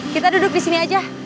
kita duduk disini aja